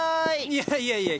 いやいやいや！